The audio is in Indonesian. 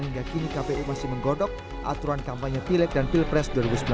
hingga kini kpu masih menggodok aturan kampanye pilek dan pilpres dua ribu sembilan belas